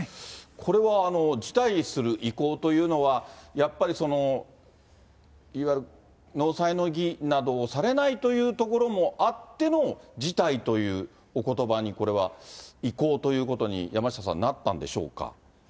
これは辞退する意向というのは、やっぱりいわゆる納采の儀などをされないということもあっての辞退というおことばに、これは、意向ということに、山下さん、なったんでしょうか。